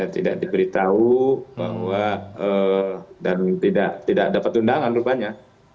tidak diberitahu bahwa dan tidak dapat undangan rupanya